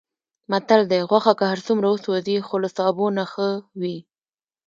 متل دی: غوښه که هرڅومره وسوځي، خو له سابو نه ښه وي.